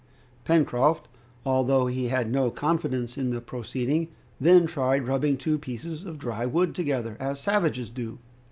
Pencroft, although he had no confidence in the proceeding, then tried rubbing two pieces of dry wood together, as savages do.